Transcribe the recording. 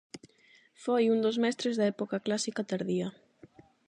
Foi un dos mestres da época clásica tardía.